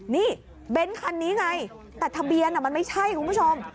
นี่เบ้นคันนี้ไงแต่ทะเบียนมันไม่ใช่คุณผู้ชม